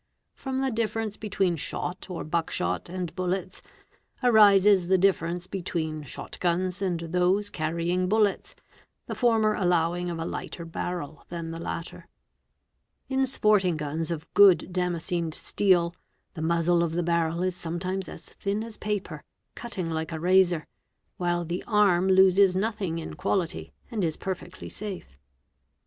From the difference between shot or buckshot and bullets, arises the difference between shot guns and those carrying — bullets, the former allowing of a lighter barrel than the latter. In sport ing guns of good damascened steel, the muzzle of the barrel is sometimes as thin as paper, cutting like a razor, while the arm loses nothing in ~ quality and is perfectly safe.